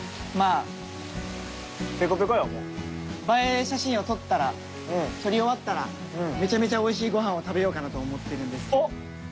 映え写真を撮ったら撮り終わったらめちゃめちゃおいしいご飯を食べようかなと思ってるんですけど。